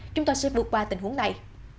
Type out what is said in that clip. chúng tôi sẽ vượt qua tình huống này